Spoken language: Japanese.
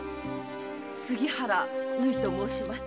杉原縫と申します。